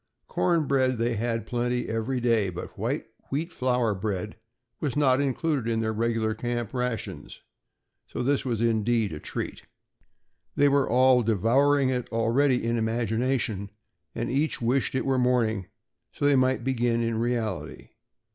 Corn bread they had in plenty every day, but white wheat flour bread was not included in their regular camp rations, so that this was indeed a treat. They were all devouring it already in imagination, and each wished it were morning so that they might begin in reality.